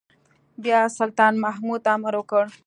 بيا سلطان محمود امر وکړ.